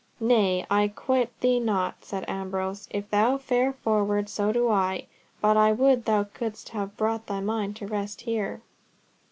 "Nay, I quit thee not," said Ambrose. "If thou fare forward, so do I. But I would thou couldst have brought thy mind to rest there."